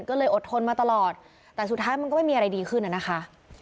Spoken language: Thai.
ก็เลยอดทนมาตลอดแต่สุดท้ายมันก็ไม่มีอะไรดีขึ้นนะคะ